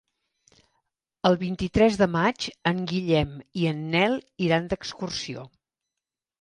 El vint-i-tres de maig en Guillem i en Nel iran d'excursió.